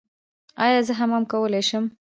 ایا زه حمام کولی شم؟